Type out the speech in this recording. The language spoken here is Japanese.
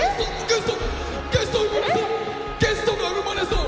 ゲスト生まれそう！